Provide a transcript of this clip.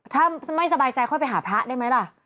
ถ้าไม่สบายใจค่อยไปหาพระได้ไหมล่ะ